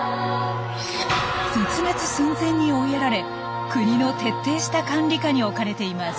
絶滅寸前に追いやられ国の徹底した管理下に置かれています。